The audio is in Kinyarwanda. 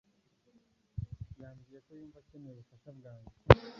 yambwiye ko yumva akeneye ubufasha bwanjye